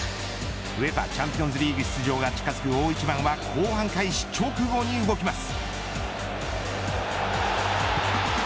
ＵＥＦＡチャンピオンズリーグ出場が近づく大一番は後半開始直後に動きます。